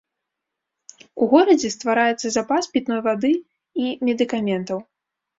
У горадзе ствараецца запас пітной вады і медыкаментаў.